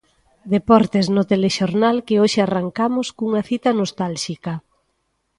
Deportes no telexornal que hoxe arrancamos cunha cita nostálxica.